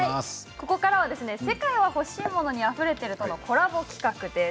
ここからは「世界はほしいモノにあふれてる」とのコラボ企画です。